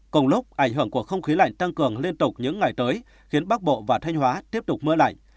cùng lúc ảnh hưởng của không khí lạnh tăng cường liên tục những ngày tới khiến bắc bộ và thanh hóa tiếp tục mưa lạnh